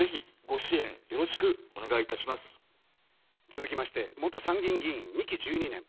続きまして、元参議院議員２期１２年。